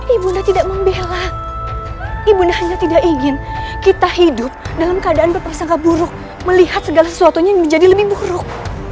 ibunda tidak membela ibunda hanya tidak ingin kita hidup dalam keadaan berpersangka buruk melihat segala sesuatunya menjadi lebih buruk